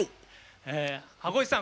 箱石さん